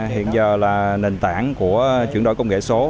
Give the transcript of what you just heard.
hiện giờ là nền tảng của chuyển đổi công nghệ số